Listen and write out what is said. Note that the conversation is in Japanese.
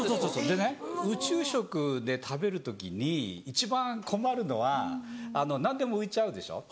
でね宇宙食で食べる時に一番困るのは何でも浮いちゃうでしょ